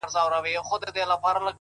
هر انسان د بدلون وړتیا لري.!